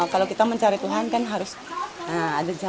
kalau kita mencari tuhan kan harus mencari tuhan